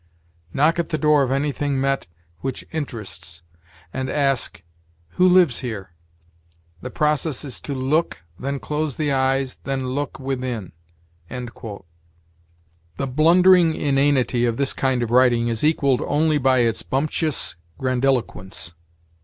Knock at the door of anything met which interests, and ask, 'Who lives here?' The process is to look, then close the eyes, then look within." The blundering inanity of this kind of writing is equaled only by its bumptious grandiloquence.